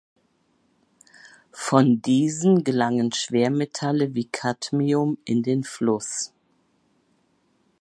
Von diesen gelangen Schwermetalle wie Cadmium in den Fluss.